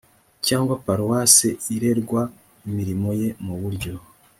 cyangwa paruwase irerwa imirimo ye mu buryo